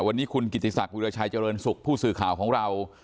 วันนี้คุณกิติศักดิราชัยเจริญสุขผู้สื่อข่าวของเรา